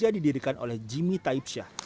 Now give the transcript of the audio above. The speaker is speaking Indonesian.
dan juga olimpiade